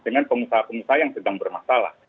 dengan pengusaha pengusaha yang sedang bermasalah